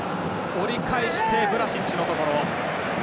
折り返してブラシッチのところ。